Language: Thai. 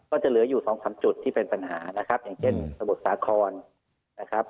ก็จะเหลืออยู่สองสามจุดที่เป็นปัญหานะครับอย่างเช่นสมุทรสาครนะครับ